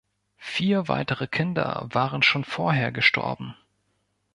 Vier weitere Kinder waren schon vorher gestorben.